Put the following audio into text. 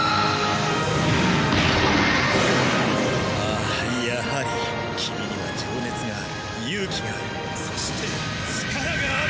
あぁやはり君には情熱がある勇気があるそして力がある！